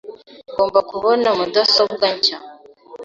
Ngomba kubona mudasobwa nshya .